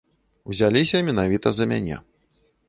Узяліся менавіта за мяне.